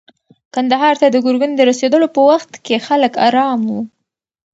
کندهار ته د ګرګین د رسېدلو په وخت کې خلک ارام وو.